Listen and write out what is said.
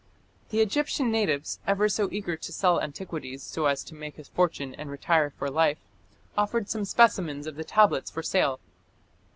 The Egyptian natives, ever so eager to sell antiquities so as to make a fortune and retire for life, offered some specimens of the tablets for sale.